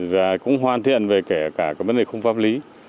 và cũng hoan thiện về kể cả vấn đề không pháp lý